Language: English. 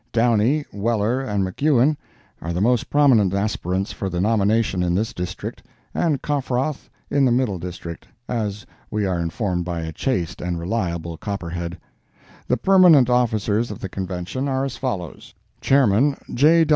Downey, Weller and McKewen are the most prominent aspirants for the nomination in this District, and Coffroth in the Middle District, as we are informed by a chaste and reliable Copperhead. The permanent officers of the Convention are as follows: Chairman, J.